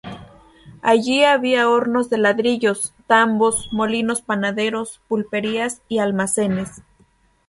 Allí había hornos de ladrillos, tambos, molinos panaderos, pulperías y almacenes.